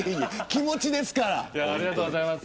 気持ちですから。